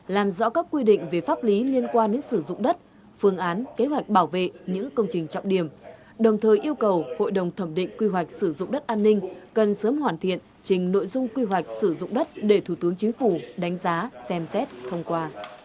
làm rõ các quy định về pháp lý liên quan đến sử dụng đất phương án kế hoạch bảo vệ những công trình trọng điểm đồng thời yêu cầu hội đồng thẩm định quy hoạch sử dụng đất an ninh cần sớm hoàn thiện trình nội dung quy hoạch sử dụng đất để thủ tướng chính phủ đánh giá xem xét thông qua